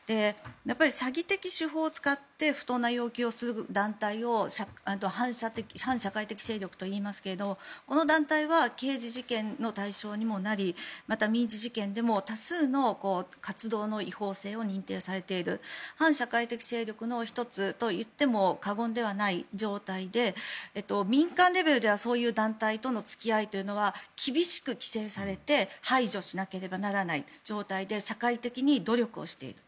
詐欺的手法を使って不当な要求をする団体を反社会的勢力と言いますがこの団体は刑事事件の対象にもなりまた、民事事件でも多数の活動の違法性を認定されている反社会的勢力の１つといっても過言ではない状態で民間レベルではそういう団体とのつきあいというのは厳しく規制されて排除しなければならない状態で社会的に努力をしている。